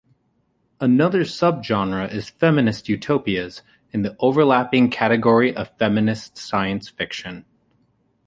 Another subgenre is feminist utopias and the overlapping category of feminist science fiction.